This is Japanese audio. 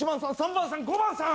４番さん。